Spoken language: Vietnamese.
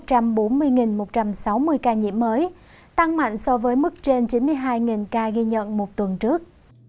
một trăm bốn mươi một trăm sáu mươi ca nhiễm mới tăng mạnh so với mức trên chín mươi hai ca ghi nhận một tuần trước